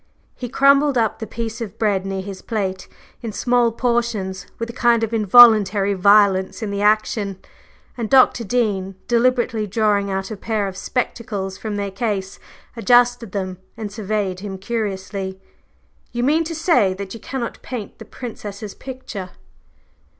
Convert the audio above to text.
He crumbled up the piece of bread near his plate in small portions with a kind of involuntary violence in the action, and Dr. Dean, deliberately drawing out a pair of spectacles from their case, adjusted them, and surveyed him curiously. "You mean to say that you cannot paint the Princess's picture?"